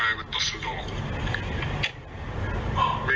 คุณไม่พูดอ่ะแต่ร่างกายมันตอดสนอง